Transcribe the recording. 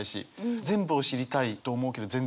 全部を知りたいと思うけど全然知れないし。